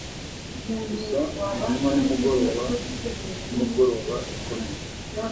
gusa kumanywa nimugoroba nimugoroba ikomeye